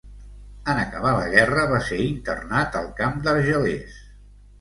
En acabar la guerra, va ser internat al camp d’Argelers.